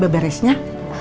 gak ada yang nonton